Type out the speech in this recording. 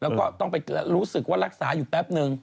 แล้วก็ต้องไปรู้สึกว่ารักษาอยู่แป๊บนึง